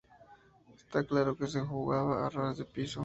Es claro que se jugaba a ras de piso.